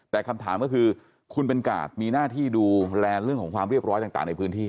แต่คำถามก็คือคุณเป็นกาดมีหน้าที่ดูแลเรื่องของความเรียบร้อยต่างในพื้นที่